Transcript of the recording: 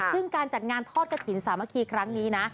ซึ่งการจัดงานทอดกระถิ่นสามัคคีครั้งนี้นะ